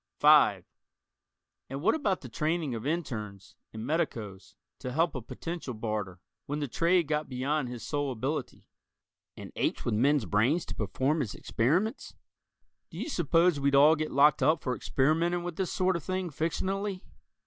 (5) And what about the training of internes and medicos to help a potential Barter, when the trade got beyond his sole ability and apes with men's brains to perform his experiments? Do you suppose we'd all get locked up for experimenting with this sort of thing fictionally?